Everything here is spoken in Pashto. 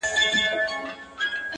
ما يې توبه د کور ومخته په کوڅه کي وکړه،